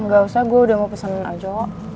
gak usah gue udah mau pesen ajo